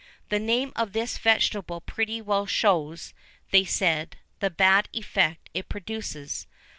The name of this vegetable pretty well shows, they said, the bad effect it produces.